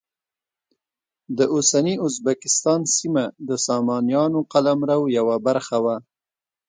د اوسني ازبکستان سیمه د سامانیانو قلمرو یوه برخه وه.